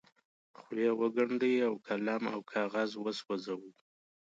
خولې وګنډي او قلم او کاغذ وسوځوي.